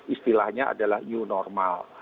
istilahnya adalah new normal